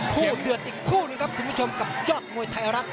เดือดอีกคู่หนึ่งครับคุณผู้ชมกับยอดมวยไทยรัฐ